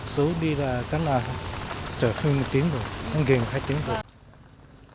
không gây một hai tiếng rồi